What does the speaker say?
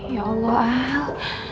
ya allah al